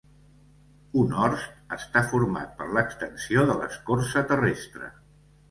Un horst està format per l'extensió de l'escorça terrestre.